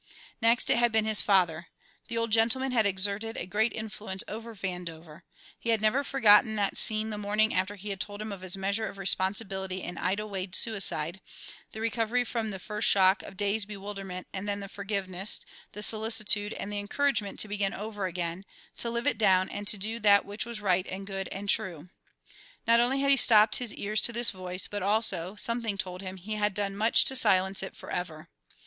Next it had been his father. The Old Gentleman had exerted a great influence over Vandover; he had never forgotten that scene the morning after he had told him of his measure of responsibility in Ida Wade's suicide, the recovery from the first shock of dazed bewilderment and then the forgiveness, the solicitude and the encouragement to begin over again, to live it down and to do that which was right and good and true. Not only had he stopped his ears to this voice, but also, something told him, he had done much to silence it forever.